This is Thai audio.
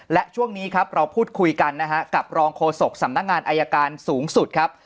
และช่วงนี้ครับเราพูดคุยกันนะฮะกับรองโฆษกสำนักงานอายการสูงสุดครับ